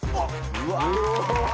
うわ！